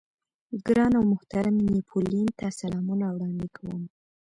ګران او محترم نيپولېين ته سلامونه وړاندې کوم.